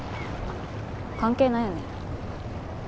関係ないよね？